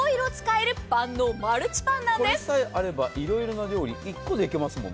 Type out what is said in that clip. これさえあれば、いろいろな料理、一個でできますよね。